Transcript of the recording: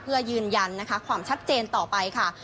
เพื่อยืนยันนะคะความชัดเจนต่อไปค่ะ